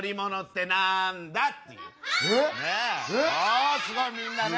おおすごいみんなね。